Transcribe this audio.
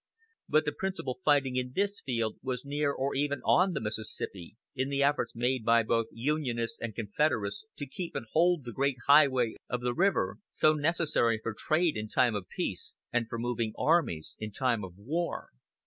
But the principal fighting in this field was near or even on the Mississippi, in the efforts made by both Unionists and Confederates to keep and hold the great highway of the river, so necessary for trade in time of peace, and for moving armies in time of war.